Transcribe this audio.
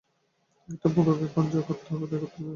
একটা পোকাকে এখন যা করার তাই করতে হবে!